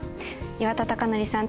岩田剛典さん